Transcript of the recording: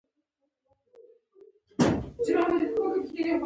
په خوله مې لاس کېښود.